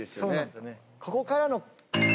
ここからの。